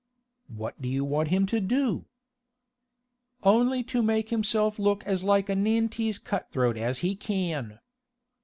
"What do you want him to do?" "Only to make himself look as like a Nantese cut throat as he can...."